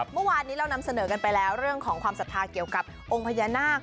เมื่อวานนี้เรานำเสนอกันไปแล้วเรื่องของความศรัทธาเกี่ยวกับองค์พญานาค